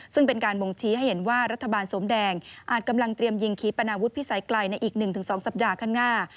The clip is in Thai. ซึ่งเป็นการบ่งชี้ให้เห็นว่ารัฐบาลสมแดงอาจกำลังเตรียมยิงขีปนาวุฒิพิสัยไกลในอีก๑๒สัปดาห์ข้างหน้า